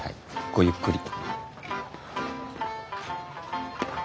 ごゆっくり。